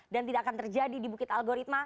dan tidak akan terjadi di bukit algoritma